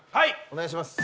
お願いします